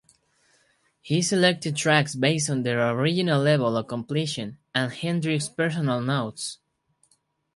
He selected tracks based on their original level of completion and Hendrix's personal notes.